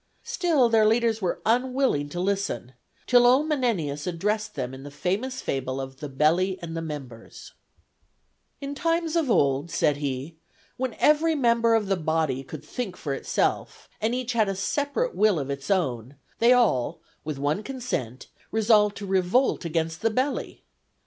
Still their leaders were unwilling to listen, till old Menenius addressed them in the famous fable of the "Belly and the Members": "In times of old," said he, "when every member of the body could think for itself, and each had a separate will of its own, they all, with one consent, resolved to revolt against the belly.